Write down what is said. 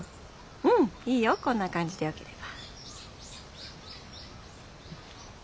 うんいいよこんな感じでよければ。